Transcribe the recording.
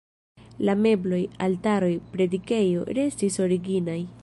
La mebloj, altaroj, predikejo restis originaj.